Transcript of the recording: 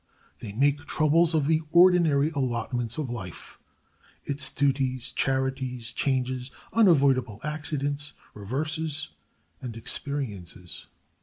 They make troubles of the ordinary allotments of life; its duties, charities, changes, unavoidable accidents, reverses, and experiences.